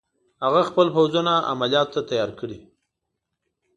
هغه خپل پوځونه عملیاتو ته تیار کړي.